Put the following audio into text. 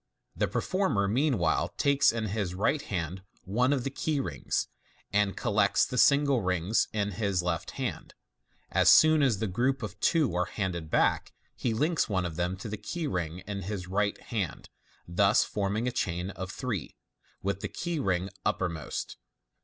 The performer mean while takes in his right hand one of the keyrings, and collects the single rings in his left. As soon as the group of two are handed back, he links one of them to the key ring in his right hand, thus forming a chain of three, with the key ring uppermost.